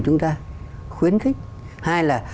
chúng ta khuyến khích hai là